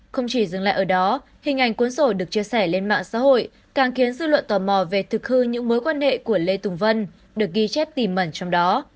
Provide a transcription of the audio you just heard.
không chỉ dừng lại ở đó hình ảnh cuốn sổ được chia sẻ lên mạng xã hội càng khiến dư luận tò mò về thực hư những mối quan hệ của lê tùng vân được ghi chép tìm mẩn trong đó